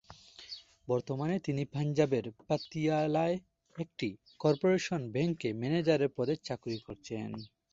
বর্তমানে তিনি পাঞ্জাবের পাতিয়ালায় একটি কর্পোরেশন ব্যাংকে ম্যানেজার পদে চাকুরি করছেন।